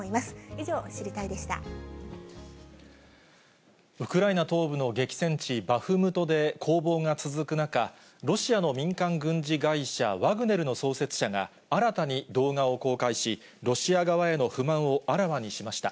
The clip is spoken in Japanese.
以上、ウクライナ東部の激戦地、バフムトで攻防が続く中、ロシアの民間軍事会社、ワグネルの創設者が、新たに動画を公開し、ロシア側への不満をあらわにしました。